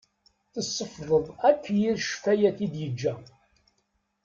Tessefḍeḍ akk yir ccfayat i d-yeǧǧa.